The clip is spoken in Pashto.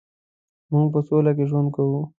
مونږ په سوله کې ژوند کوو